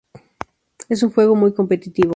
Es un juego muy competitivo.